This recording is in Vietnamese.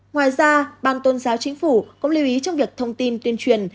ngoài ra ban tôn giáo chính phủ cũng lưu ý trong việc thông tin tuyên truyền